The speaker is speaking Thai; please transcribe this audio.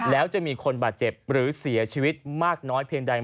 แล้วจะมีคนบาดเจ็บหรือเสียชีวิตมากน้อยเพียงใด